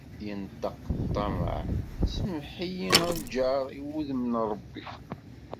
Yenṭeq ṭṭameε: “Semmeḥ-iyi a lğar i wudem n Rebbi."